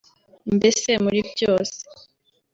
mbese muri byose